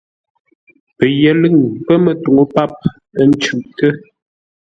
Pəyəlʉ̂ŋ pə̂ mətuŋú páp, ə́ ncʉʼtə́.